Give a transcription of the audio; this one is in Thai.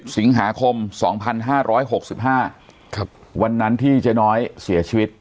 สิงหาคม๒๕๖๕วันนั้นที่เจ๊น้อยเสียชีวิต